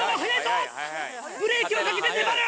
ブレーキをかけて粘る！